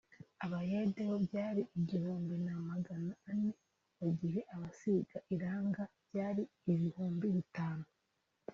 abayede bo byari igihumbi na Magana ane mu gihe abasiga iranga byari ibihimbi bitanu